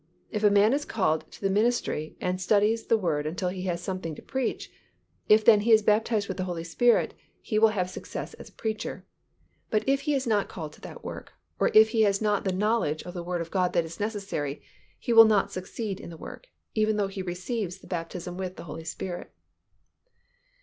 If a man is called to the ministry and studies the Word until he has something to preach, if then he is baptized with the Holy Spirit, he will have success as a preacher, but if he is not called to that work, or if he has not the knowledge of the Word of God that is necessary, he will not succeed in the work, even though he receives the baptism with the Holy Spirit.